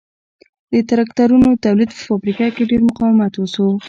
د ترکتورونو د تولید په فابریکه کې ډېر مقاومت وشو